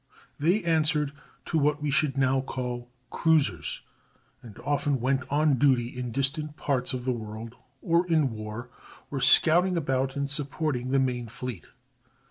They answered to what we should now call cruisers, and often went on duty in distant parts of the world, or in war were scouting about and supporting the main fleet.